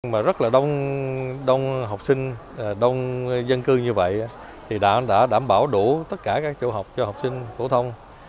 mà rất là đông đông học sinh đông dân cư như vậy thì đã đảm bảo đủ tất cả các chỗ học cho học sinh phổ thông